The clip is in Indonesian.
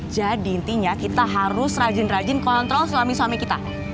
jadi intinya kita harus rajin rajin kontrol suami suami kita